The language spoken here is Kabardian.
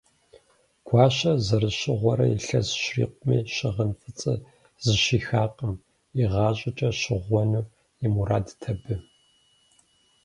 Гуащэр зэрыщыгъуэрэ илъэс щрикъуми, щыгъын фӏыцӏэр зыщихакъым: игъащӏэкӏэ щыгъуэну и мурадт абы.